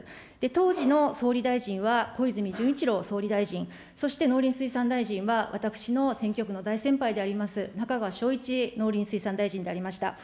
当時の総理大臣は小泉純一郎総理大臣、そして農林水産大臣は、私の選挙区の大先輩であります、中川昭一農林水産大臣でありました。